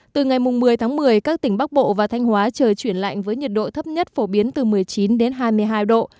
từ ngày một mươi tháng một mươi các tỉnh bắc bộ và thanh hóa trời chuyển lạnh với nhiệt độ thấp nhất phổ biến từ một mươi chín đến hai mươi hai độ